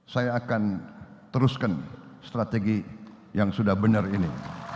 saya akan teruskan strategi yang sudah benar ini